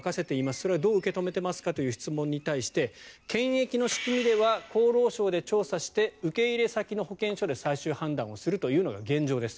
それはどう受け止めていますかという質問に対して検疫の仕組みでは厚労省で調査して受け入れ先の保健所で最終判断するというのが現状です。